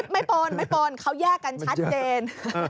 ปนไม่ปนเขาแยกกันชัดเจน